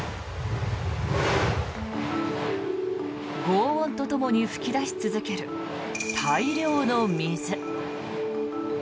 ごう音とともに噴き出し続ける大量の水。